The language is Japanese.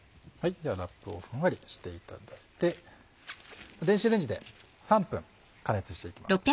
ではラップをふんわりしていただいて電子レンジで３分加熱していきます。